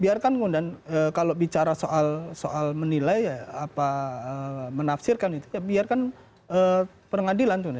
biar kan undang undang kalau bicara soal menilai apa menafsirkan itu biarkan peradilan